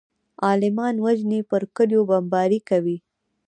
عالمان وژني پر کليو بمبارۍ کوي.